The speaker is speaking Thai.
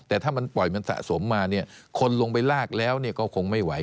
แต่ถ้ามันปล่อยมันสะสมมาเนี่ยคนลงไปลากแล้วก็คงไม่ไหว